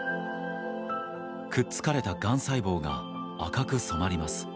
くっつかれたがん細胞が赤く染まります。